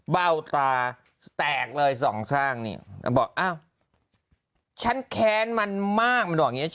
เบ้าตาแตกเลยสองข้างเนี่ยแล้วบอกอ้าวฉันแค้นมันมากมันบอกอย่างนี้